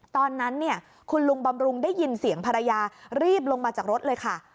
ตอนนั้นเนี่ยคุณลุงบำรุงได้ยินเสียงภรรยารีบลงมาจากรถเลยค่ะ